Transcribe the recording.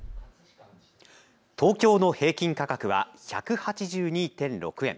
東京の平均価格は１８２．６円。